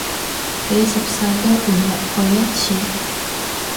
幾十世都唔入去一次